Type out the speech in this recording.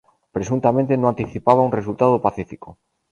Presuntamente, no anticipaba un resultado pacífico.